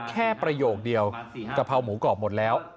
ประโยคเดียวกะเพราหมูกรอบหมดแล้ว